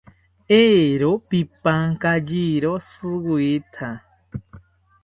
Eero pipankayiro shiwita